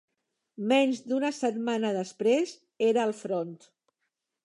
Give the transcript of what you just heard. Menys d'una setmana després, era al front.